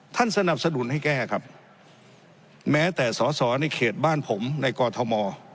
สนับสนุนให้แก้ครับแม้แต่สอสอในเขตบ้านผมในกอทม